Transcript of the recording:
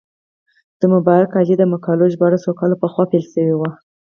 د مبارک علي د مقالو ژباړه څو کاله پخوا پیل شوه.